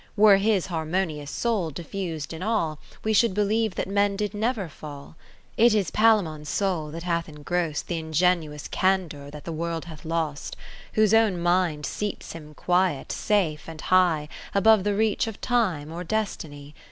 Were his harmonious soul diffus'd in all, We should believe that men did never fall. It is Palaemon's soul that hath engrost Th' ingenuous candour that the World hath lost ; Whose own mind seats him quiet, safe and high, Above the reach of Time or Destiny.